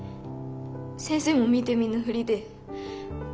先生も見て見ぬふりで。